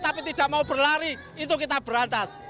tapi tidak mau berlari itu kita berantas